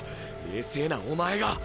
冷静なお前が。